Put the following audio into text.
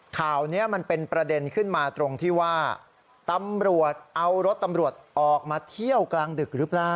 ข่าวนี้มันเป็นประเด็นขึ้นมาตรงที่ว่าตำรวจเอารถตำรวจออกมาเที่ยวกลางดึกหรือเปล่า